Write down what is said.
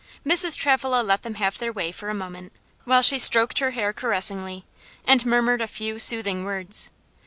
Mrs. Travilla let them have their way for a moment, while she stroked her hair caressingly, and murmured a few soothing words.